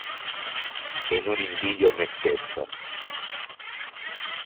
E non invidio me stesso.